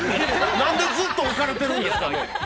なんでずっと置かれてるんですかね。